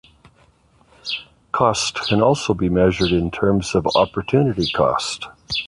Cost can also be measured in terms of opportunity cost.